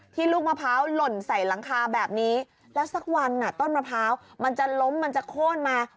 ลูกมะพร้าวหล่นใส่หลังคาแบบนี้แล้วสักวันต้นมะพร้าวมันจะล้มมันจะโค้นมา